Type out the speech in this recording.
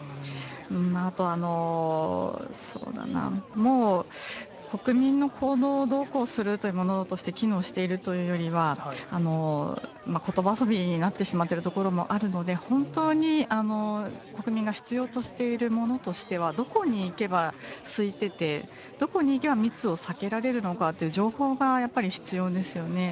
あと、そうだな、もう国民の行動をどうこうするというものとして機能しているというよりは、ことば遊びになってしまっているところもあると思うので、本当に国民が必要としているものとしては、どこに行けばすいてて、どこに行けば密を避けられるのかという情報がやっぱり必要ですよね。